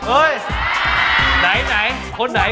เอ้ยไหนคนไหน